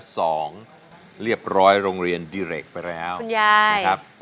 ขอบคุณครับ